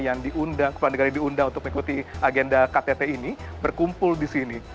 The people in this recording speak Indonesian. yang diundang kepala negara diundang untuk mengikuti agenda ktt ini berkumpul di sini